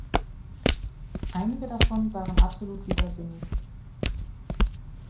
Einige davon waren absolut widersinnig.